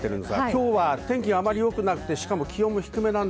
今日は天気があまりよくなくて、気温が低め。